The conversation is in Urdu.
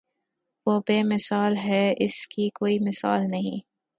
وہ بے مثال ہے اس کی کوئی مثال نہیں